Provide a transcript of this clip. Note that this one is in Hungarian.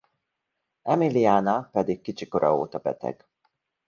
Emiliana pedig kicsi kora óta beteg.